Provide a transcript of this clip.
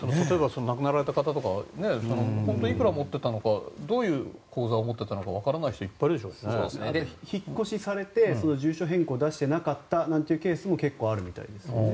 亡くなられた方とか本当はいくら持ってたのかどういう口座を持ってたのか引っ越しされて住所変更を出してなかったというケースも結構あるみたいですね。